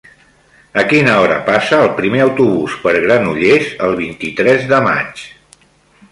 A quina hora passa el primer autobús per Granollers el vint-i-tres de maig?